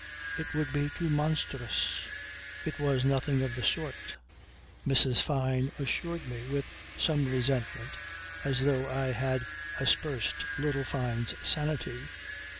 It would be too monstrous." It was nothing of the sort, Mrs. Fyne assured me with some resentment, as though I had aspersed little Fyne's sanity.